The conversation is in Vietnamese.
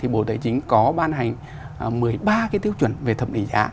bộ tài chính có ban hành một mươi ba cái tiêu chuẩn về thẩm định giá